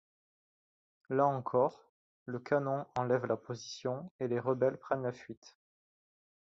Là encore, le canon enlève la position et les rebelles prennent la fuite.